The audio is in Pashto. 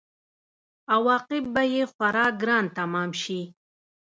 عواقب به یې خورا ګران تمام شي.